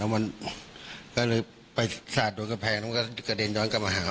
มันก็เลยไปศาจโดยแผงแล้วมันกระเด็นย้อนกลับมาหาผม